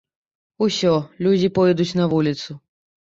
Усё, людзі пойдуць на вуліцу.